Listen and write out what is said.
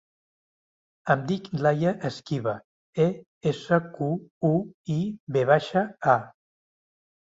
Em dic Laia Esquiva: e, essa, cu, u, i, ve baixa, a.